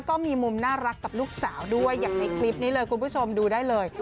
ก็มีมุมน่ารักกับลูกสาวด้วยอย่างในคลิปนี้เลยคุณผู้ชมดูได้เลย